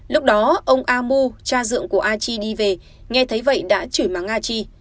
lúc đó ông amu cha dượng của a chi đi về nghe thấy vậy đã chửi mắng a chi